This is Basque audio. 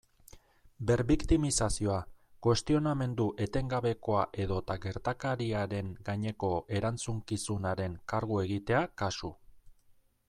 Berbiktimizazioa, kuestionamendu etengabekoa edota gertakariaren gaineko erantzukizunaren kargu egitea kasu.